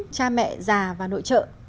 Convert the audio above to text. cha mẹ già và nội trợ